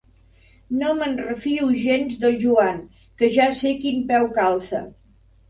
No me'n refio gens del Joan, que ja sé quin peu calça.